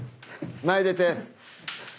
前出て！